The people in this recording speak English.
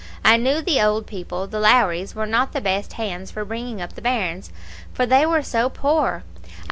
I knew the old people, the Lowries, were not the best hands for bringing up the bairns, for they were so poor.